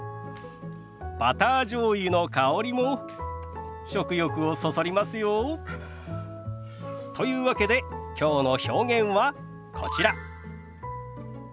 バターじょうゆの香りも食欲をそそりますよ。というわけできょうの表現はこちら。